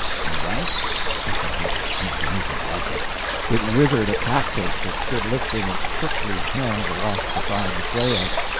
And rank? I never smelt anything like it. It withered a cactus that stood lifting its prickly hands aloft beside the trail.